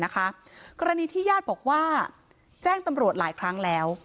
กรณีที่ญาติบอกว่าแจ้งตำรวจหลายครั้งแล้ว